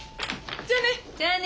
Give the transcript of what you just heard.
じゃあね。